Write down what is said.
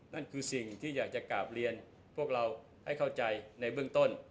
นั่นคือสิ่งที่อยากจะกราบเรียนพวกเราให้เข้าใจในเบื้องต้น